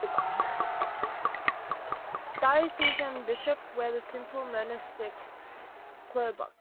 Diocesan bishops wear the simple monastic klobuk.